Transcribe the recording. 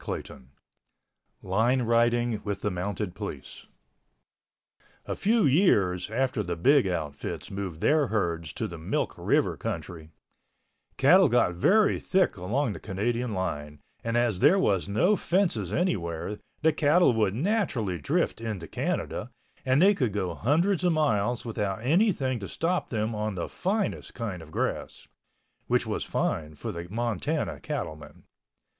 CHAPTER VI LINE RIDING WITH THE MOUNTED POLICE A few years after the big outfits moved their herds to the Milk River country, cattle got very thick along the Canadian line and as there was no fences anywhere the cattle would naturally drift into Canada and they could go hundreds of miles without anything to stop them on the finest kind of grass, which was fine for the Montana cattlemen.